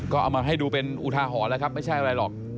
ก็เอามาให้ดูเป็นอุทาหรณ์แล้วครับไม่ใช่อะไรหรอก